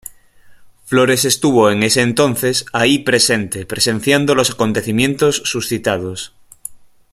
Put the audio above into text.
Flores estuvo en ese entonces ahí presente presenciando los acontecimientos suscitados.